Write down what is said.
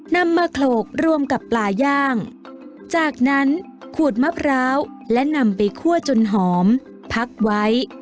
นำมาโขลกรวมกับปลาย่างจากนั้นขูดมะพร้าวและนำไปคั่วจนหอมพักไว้